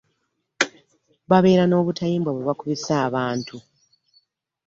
Babeera n'obutayimbwa bwe bakubisa abantu.